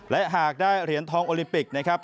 และหากได้เหรียญทองโอลิมปิกนะครับ